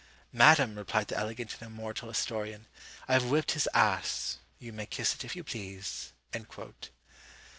Madam, replied the elegant and immortal historian, I have whipped his a , you may kiss it if you please!"